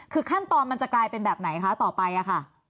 คือขั้นตอนมันจะกลายเป็นแบบไหนคะต่อไปอะค่ะ